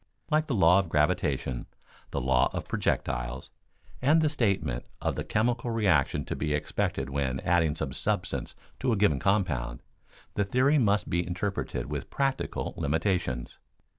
Like the law of gravitation, the law of projectiles, and the statement of the chemical reaction to be expected when adding some substance to a given compound, the theory must be interpreted with practical limitations.